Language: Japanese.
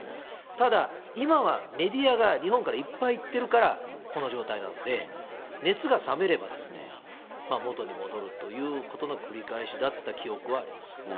ただ、今はメディアが日本からいっぱい行っているから、この状態なので、熱が冷めれば、元に戻るということの繰り返しだった記憶はありま